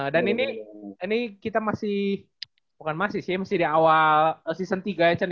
dan ini kita masih bukan masih sih masih di awal season tiga ya cen ya